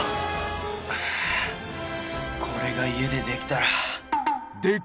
あこれが家でできたら。